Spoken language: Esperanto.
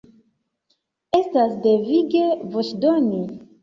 Estas devige voĉdoni.